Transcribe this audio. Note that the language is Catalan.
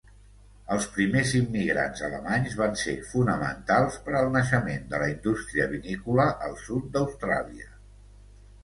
Els primers immigrants alemanys van ser fonamentals per al naixement de la indústria vinícola al sud d"Austràlia.